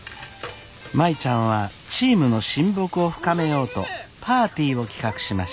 舞ちゃんはチームの親睦を深めようとパーティーを企画しました。